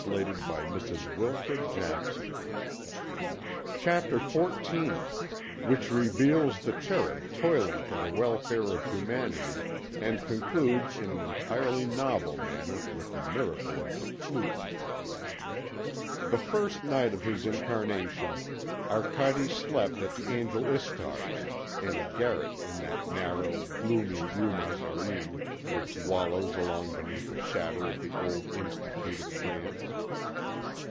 But nothing does any good." CHAPTER XIV WHICH REVEALS THE CHERUB TOILING FOR THE WELFARE OF HUMANITY AND CONCLUDES IN AN ENTIRELY NOVEL MANNER WITH THE MIRACLE OF THE FLUTE The first night of his incarnation Arcade slept at the angel Istar's, in a garret in that narrow, gloomy Rue Mazarine which wallows along beneath the shadow of the old Institute of France.